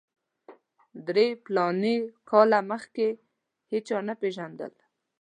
درې فلاني کاله مخکې هېچا نه پېژاند.